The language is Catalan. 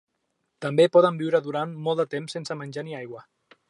També poden viure durant molt de temps sense menjar ni aigua.